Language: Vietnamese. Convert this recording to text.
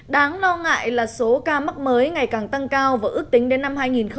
đáng lo ngại là số ca mắc mới ngày càng tăng cao và ước tính đến năm hai nghìn ba mươi